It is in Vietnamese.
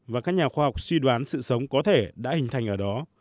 và các nhà khoa học suy đoán sự sống có thể đã hình thành ở đó